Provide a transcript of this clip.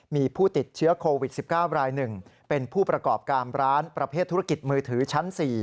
มีผู้ติดเชื้อโควิด๑๙ราย๑เป็นผู้ประกอบการร้านประเภทธุรกิจมือถือชั้น๔